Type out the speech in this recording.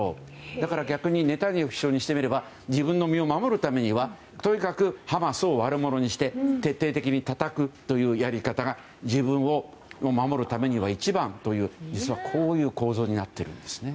だから逆にネタニヤフ首相にしてみれば自分の身を守るためにはとにかくハマスを悪者にして徹底的にたたくというやり方が自分を守るためには一番という実はこういう構造になっているんです。